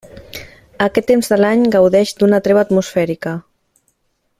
Aquest temps de l'any gaudeix d'una treva atmosfèrica.